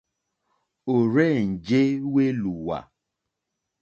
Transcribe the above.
Ò rzênjé wélùwà.